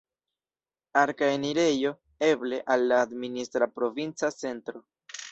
Arka enirejo, eble, al la administra provinca centro.